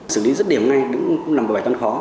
sử lý rất điểm ngay cũng làm bài toán khó